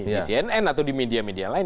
di cnn atau di media media lain